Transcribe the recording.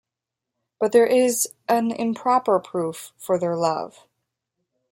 But there is a improper proof for their love.